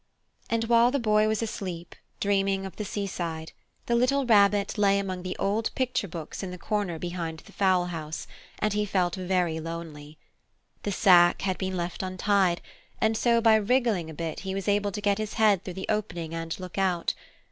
And while the Boy was asleep, dreaming of the seaside, the little Rabbit lay among the old picture books in the corner behind the fowl house, and he felt very lonely. The sack had been left untied, and so by wriggling a bit he was able to get his head through the opening and look out.